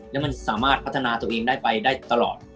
แล้วมันสามารถพัฒนาตัวเองได้ไปได้ตลอด